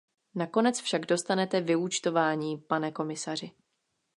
Nakonec však dostanete vyúčtování, pane komisaři.